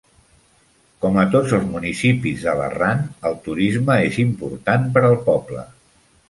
Com a tots els municipis de l'Arran, el turisme és important per al poble.